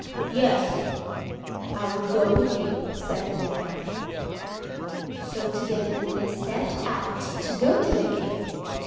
"Yes, I will go with you," said the big man. So together they set out to go to the king.